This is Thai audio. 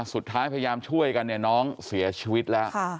พยายามช่วยกันเนี่ยน้องเสียชีวิตแล้ว